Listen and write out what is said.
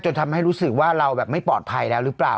ทำให้รู้สึกว่าเราแบบไม่ปลอดภัยแล้วหรือเปล่า